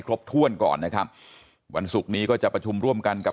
ครบถ้วนก่อนนะครับวันศุกร์นี้ก็จะประชุมร่วมกันกับ